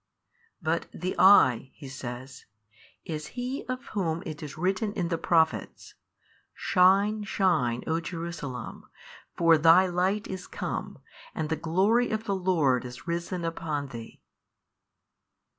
But the I (He says) is He of Whom it is written in the Prophets, Shine shine o Jerusalem for thy Light is come, and the glory of the Lord is risen upon thee.